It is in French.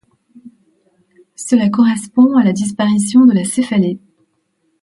Cela correspond à la disparition de la céphalée.